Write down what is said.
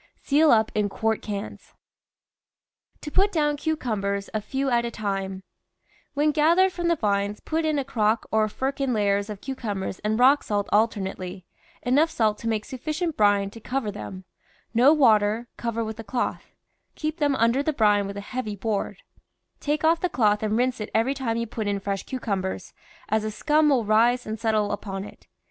Seal up in quart cans. TO PUT DOWN CUCUMBERS A FEW AT A TIME When gathered from the vines put in a crock or firkin layers of cucumbers and rock salt alternate ly, enough salt to make sufficient brine to cover them ; no water ; cover with a cloth ; keep them under the brine with a heavy board ; take off the cloth and rinse it every time you put in fresh cucumbers, as a scum will rise and settle upon it.